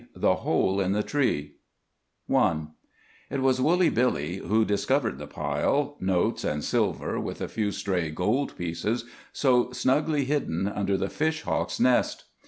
THE HOLE IN THE TREE I It was Woolly Billy who discovered the pile—notes and silver, with a few stray gold pieces—so snugly hidden under the fish hawk's nest.